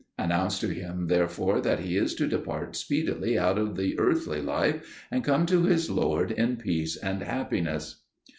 Announce to him therefore that he is to depart speedily out of the earthly life, and come to his Lord in peace and happiness."